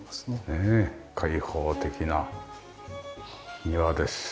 ねえ開放的な庭です。